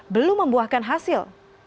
belum membuahkan hasil